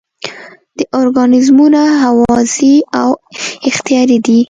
دا ارګانیزمونه هوازی او اختیاري دي.